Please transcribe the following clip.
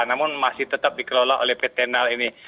namun masih tetap dikelola oleh petenal ini